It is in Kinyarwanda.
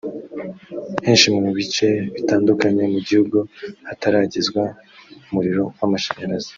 Henshi mu bice bitandukanye mu gihugu hataragezwa umuriro w’amashanyarazi